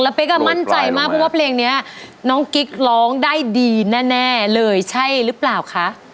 เป๊กอ่ะมั่นใจมากเพราะว่าเพลงนี้น้องกิ๊กร้องได้ดีแน่เลยใช่หรือเปล่าคะ